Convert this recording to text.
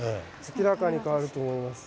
明らかに変わると思います。